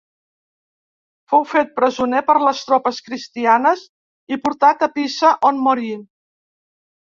Fou fet presoner per les tropes cristianes i portat a Pisa, on morí.